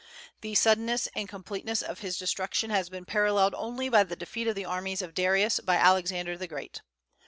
The suddenness and completeness of his destruction has been paralleled only by the defeat of the armies of Darius by Alexander the Great.